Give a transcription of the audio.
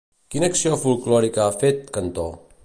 Quina acció folklòrica ha fet Cantó?